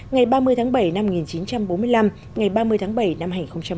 ngày ba mươi tháng bảy năm một nghìn chín trăm bốn mươi năm ngày ba mươi tháng bảy năm hai nghìn một mươi chín